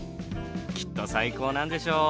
きっと最高なんでしょう？